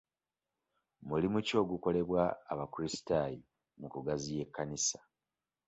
Mulimu ki ogukolebwa abakrisitaayo mu kugaziya ekkanisa?